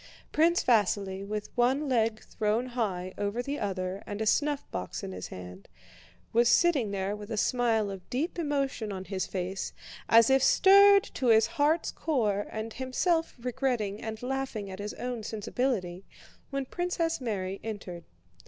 Prince Vasíli, with one leg thrown high over the other and a snuffbox in his hand, was sitting there with a smile of deep emotion on his face, as if stirred to his heart's core and himself regretting and laughing at his own sensibility, when Princess Mary entered.